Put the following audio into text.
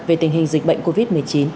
về tình hình dịch bệnh covid một mươi chín